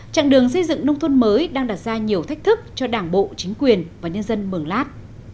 trạng đường xây dựng nông thôn mới đang đặt ra nhiều thách thức cho đảng bộ chính quyền và nhân dân mường lát